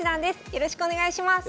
よろしくお願いします。